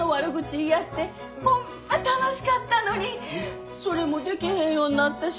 言い合ってホンマ楽しかったのにそれもできへんようになってしもうた。